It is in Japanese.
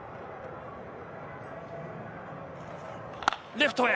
レフトへ。